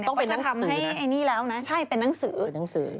ก็จะทำให้ไอนี่แล้วนะใช่เป็นนังสือ